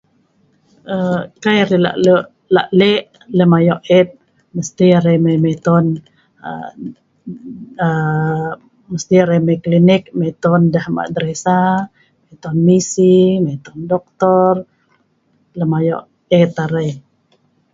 aa kai arai lak lok lak lek lem ayok et mesti arai mei meiton aa aa mesti arai mei klinik meiton deh ma derisa meiton misi meiton doktor lem ayok et arai